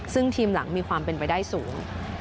ซึ่งทีมหลังมีความเป็นไปได้สูง